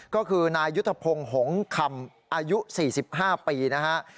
ก็คือนายยุทธพงศ์หงคำอายุ๔๕ปีนะฮะ